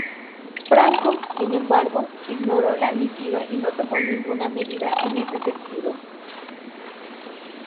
Franco, sin embargo, ignoró la misiva y no tomó ninguna medida en ese sentido.